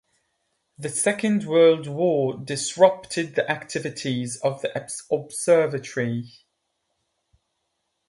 The Second World War disrupted the activities of the observatory.